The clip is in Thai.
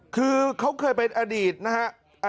คือเขาเคยเป็นอดีตนะฮะ